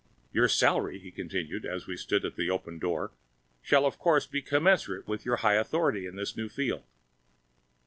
"Your salary," he continued as we stood at the open door, "shall, of course, be commensurate to your high authority in this new field.